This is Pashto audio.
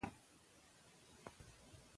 رباط د قندهار په ولایت کی یوه سیمه ده.